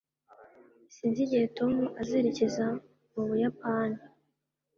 sinzi igihe tom azerekeza mu buyapani